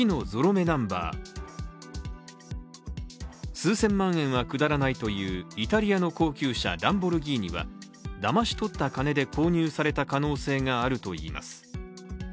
数千万円はくだらないというイタリアの高級車ランボルギーニはだまし取った金で購入された可能性があるといいます。